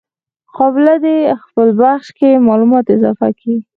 قابله دي د خپل بخش معلومات اضافه کي.